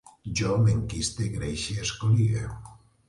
Jo m'enquiste, greixe, escolie